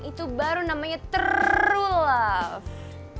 itu baru namanya true love